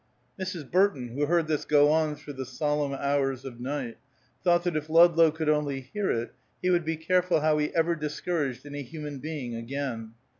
Mrs. Burton, who heard this go on through the solemn hours of night, thought that if Ludlow could only hear it he would be careful how he ever discouraged any human being again.